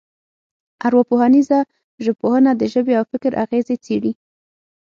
ارواپوهنیزه ژبپوهنه د ژبې او فکر اغېزې څېړي